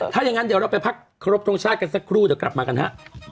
ถ้าอย่างนั้นเดี๋ยวเราไปพักครบทรงชาติกันสักครู่เดี๋ยวกลับมากันฮะ